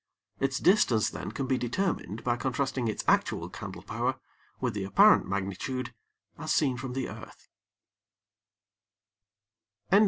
Its distance then can be determined by contrasting its actual candle power with the apparent magnitude as seen from the earth.